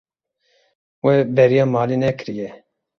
We bêriya malê nekiriye.